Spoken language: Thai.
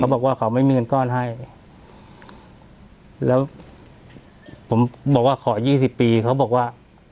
บอกว่าเขาไม่มีเงินก้อนให้แล้วผมบอกว่าขอยี่สิบปีเขาบอกว่า